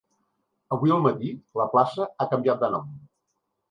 Avui el matí la plaça ha canviat de nom.